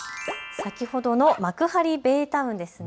先ほどの幕張ベイタウンですね。